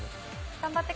頑張って！